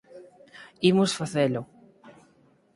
Imos facelo.